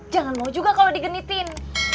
jangan mau juga kalau digenitin